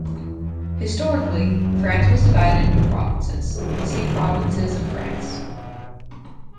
Historically, France was divided into provinces; see Provinces of France.